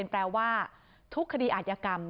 แปลว่าทุกคดีอาจยกรรม